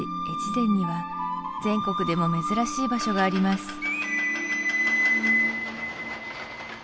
越前には全国でも珍しい場所があります